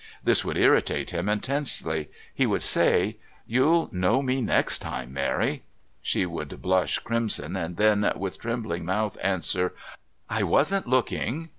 This would irritate him intensely. He would say: "You'll know me next time, Mary." She would blush crimson and then, with trembling mouth, answer: "I wasn't looking."